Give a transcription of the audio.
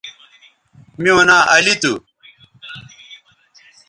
میوں ناں علی تھو